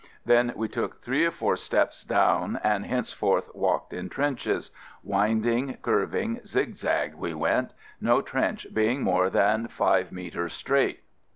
Then we took three or four steps down and henceforth walked in trenches, — winding, curving, zigzag we went, no trench being more than five metres straight.